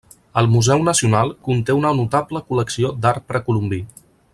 El Museu Nacional conté una notable col·lecció d'art precolombí.